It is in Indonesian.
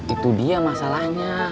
itu dia masalahnya